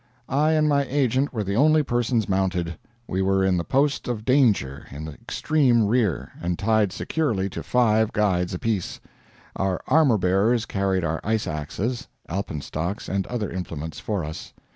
I and my agent were the only persons mounted. We were in the post of danger in the extreme rear, and tied securely to five guides apiece. Our armor bearers carried our ice axes, alpenstocks, and other implements for us.